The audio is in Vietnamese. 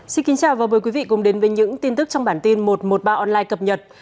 xin kính chào và mời quý vị cùng đến với những tin tức trong bản tin một trăm một mươi ba online cập nhật